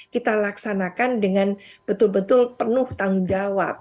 kita laksanakan dengan betul betul penuh tanggung jawab